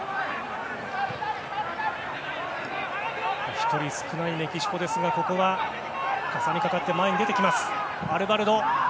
１人少ないメキシコですがかさにかかって前に出てきます。